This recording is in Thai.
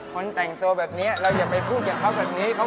ภูเขาใจแต่ทำไมหนูติดตัวแบบนี้ล่ะ